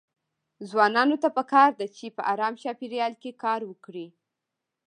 ځوانانو ته پکار ده چې په ارام چاپيريال کې کار وکړي.